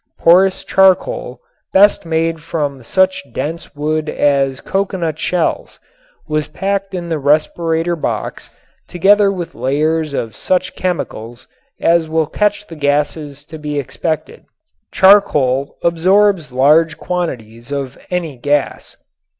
Porous charcoal, best made from such dense wood as coconut shells, was packed in the respirator box together with layers of such chemicals as will catch the gases to be expected. Charcoal absorbs large quantities of any gas.